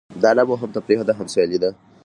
دا لوبه هم تفریح ده؛ هم سیالي.